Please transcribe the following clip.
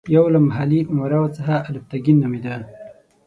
یو له محلي امراوو څخه الپتکین نومېده.